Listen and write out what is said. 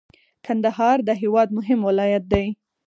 کندهار د هیواد مهم ولایت دی.